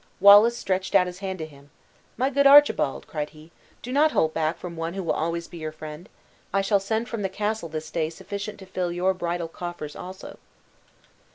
Wallace stretched out his hand to him. "My good Archibald," cried he, "do not hold back from one who will always be your friend. I shall send from the castle this day sufficient to fill your bridal coffers also."